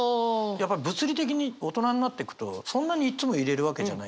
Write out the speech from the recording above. やっぱり物理的に大人になってくとそんなにいっつもいれるわけじゃない。